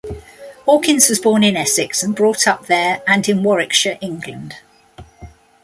Hawkins was born in Essex and brought up there and in Warwickshire, England.